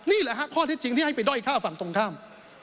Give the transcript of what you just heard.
นี่แหละฮะข้อเท็จจริงที่ให้ไปด้อยฆ่าฝั่งตรงข้าม